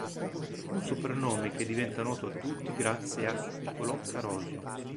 Un soprannome che diventa noto a tutti grazie a Nicolò Carosio.